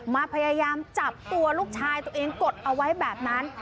มาพยายามจับตัวลูกชายตัวเองกดเอาไว้แบบนั้น